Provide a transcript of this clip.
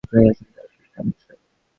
তুমি আমার সম্পর্কে আর কী জানতে চাও?